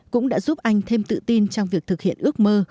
cũng đã giúp anh thêm tự tin trong việc thực hiện ước mơ